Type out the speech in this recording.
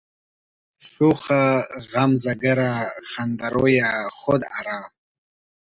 شوخه غمزه گره، خنده رویه، خود آرا